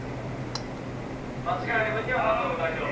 間違える分には何度でも大丈夫。